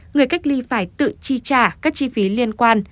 người cách ly phải tự chi trả